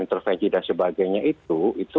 intervensi dan sebagainya itu